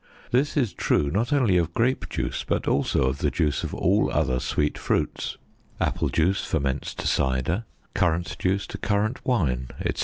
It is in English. This is true not only of grape juice but also of the juice of all other sweet fruits; apple juice ferments to cider, currant juice to currant wine, etc.